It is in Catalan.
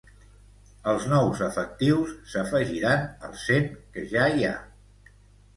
Els nous efectius s'afegiran als cent que ja hi ha.